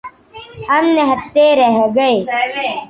ہم نہتے رہ گئے۔